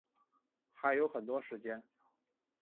还有很多时间